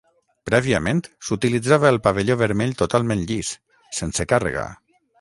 Prèviament s'utilitzava el pavelló vermell totalment llis, sense càrrega.